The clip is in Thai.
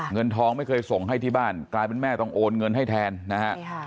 เงินทองไม่เคยส่งให้ที่บ้านกลายเป็นแม่ต้องโอนเงินให้แทนนะฮะ